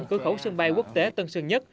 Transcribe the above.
cửa khẩu sân bay quốc tế tân sơn nhất